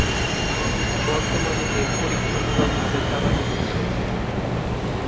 বর্তমানে এর পরীক্ষামূলক ভাবে চালানো হচ্ছে।